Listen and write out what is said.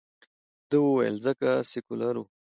ده ویل، ځکه سیکولر ؤ.